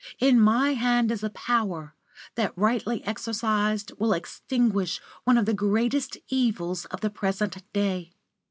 In my hand is a power, that rightly exercised, will extinguish one of the greatest evils of the present day.